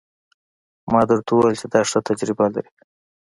ما درته وويل چې دا ښه تجربه لري.